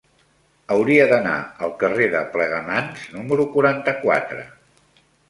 Hauria d'anar al carrer de Plegamans número quaranta-quatre.